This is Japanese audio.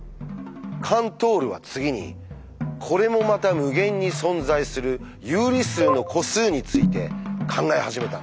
カントールは次にこれもまた無限に存在する「有理数の個数」について考え始めたんです。